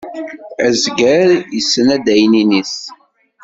Azger yessen adaynin-is.